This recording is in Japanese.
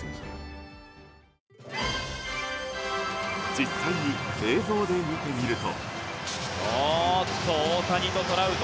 実際に映像で見てみると。